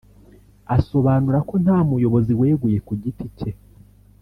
asobanura ko nta muyobozi weguye ku giti cye